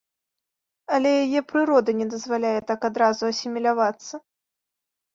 Але яе прырода не дазваляе так адразу асімілявацца.